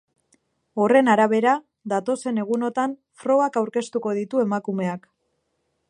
Horren arabera, datozen egunotan frogak aurkeztuko ditu emakumeak.